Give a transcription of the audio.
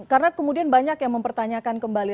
karena kemudian banyak yang mempertanyakan kembali